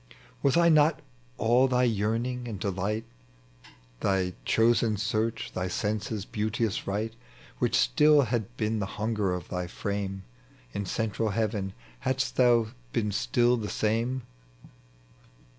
Was I not all thy yearning and delight, Thy chosen search, thy senses' beauteous Right, Which still had been the hunger of thy frame In central heaven, hadst thou been still the same?